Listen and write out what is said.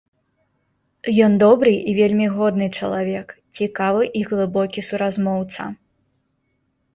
Ён добры і вельмі годны чалавек, цікавы і глыбокі суразмоўца.